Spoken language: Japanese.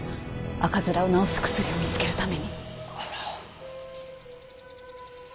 赤面を治す薬を見つけるために。